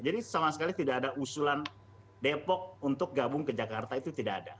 jadi sama sekali tidak ada usulan depok untuk gabung ke jakarta itu tidak ada